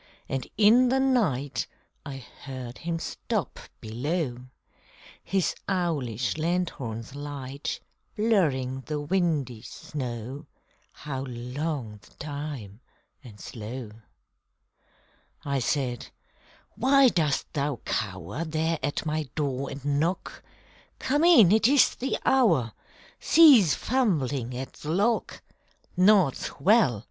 And in the night I heard him stop below, His owlish lanthorn's light Blurring the windy snow How long the time and slow! I said, _Why dost thou cower There at my door and knock? Come in! It is the hour! Cease fumbling at the lock! Naught's well!